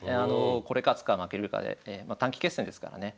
これ勝つか負けるかでまあ短期決戦ですからね。